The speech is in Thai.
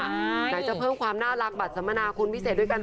ไหนจะเพิ่มความน่ารักบัตรสัมมนาคุณพิเศษด้วยกัน